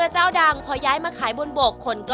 เช่นอาชีพพายเรือขายก๋วยเตี๊ยว